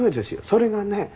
それがね